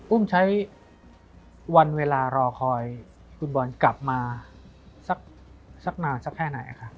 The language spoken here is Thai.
อุ้มใช้วันเวลารอคอยคุณบอลกลับมาสักนานสักแค่ไหนครับ